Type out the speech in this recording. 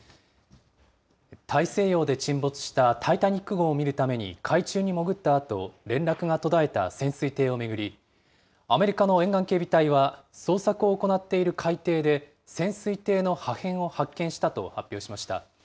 大西洋で沈没したタイタニック号を見るために海中に潜ったあと、連絡が途絶えた潜水艇を巡り、アメリカの沿岸警備隊は、捜索を行っている海底で、潜水艇の破片を発見したと発表しました。